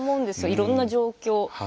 いろんな状況。